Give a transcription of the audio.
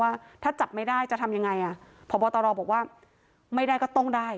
ว่าถ้าจับไม่ได้จะทำยังไงอ่ะพบตรบอกว่าไม่ได้ก็ต้องได้